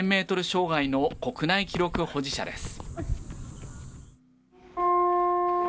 障害の国内記録保持者です。